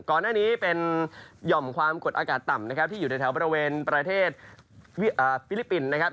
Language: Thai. ก่อนหน้านี้เป็นหย่อมความกดอากาศต่ำนะครับที่อยู่ในแถวบริเวณประเทศฟิลิปปินส์นะครับ